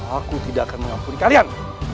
aku tidak akan mengampuni kalian